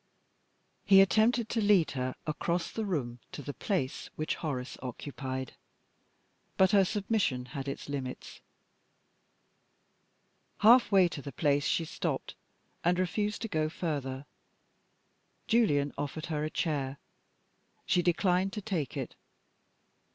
He attempted to lead her across the room to the place which Horace occupied. But her submission had its limits. Half way to the place she stopped, and refused to go further. Julian offered her a chair. She declined to take it.